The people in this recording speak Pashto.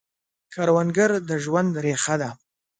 کروندګر د ژوند ریښه ده